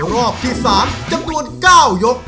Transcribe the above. รอบที่สามจำนวนเก้ายก